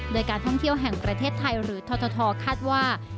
โดยการท่องเที่ยวแห่งประเทศไทยหรือททคาดว่า